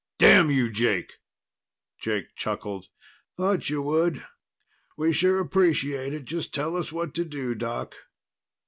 "Damn you, Jake!" Jake chuckled. "Thought you would. We sure appreciate it. Just tell us what to do, Doc."